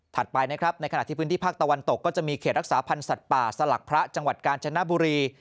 ไปนะครับในขณะที่พื้นที่ภาคตะวันตกก็จะมีเขตรักษาพันธ์สัตว์ป่าสลักพระจังหวัดกาญจนบุรี